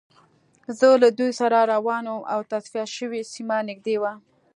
زه له دوی سره روان وم او تصفیه شوې سیمه نږدې وه